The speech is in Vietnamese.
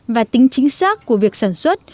và tính chính xác của việc sản xuất